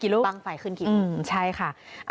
กี่ลูกบางฝ่ายขึ้นกินใช่ค่ะ